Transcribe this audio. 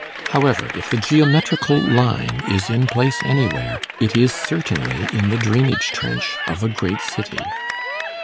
However, if the geometrical line is in place anywhere, it is certainly in the drainage trench of a great city.